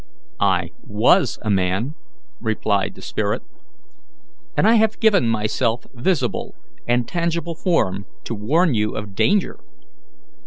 "I WAS a man," replied the spirit, "and I have given myself visible and tangible form to warn you of danger.